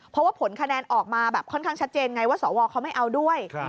เพราะว่าผลคะแนนออกมาแบบค่อนข้างชัดเจนไงว่าสวเขาไม่เอาด้วย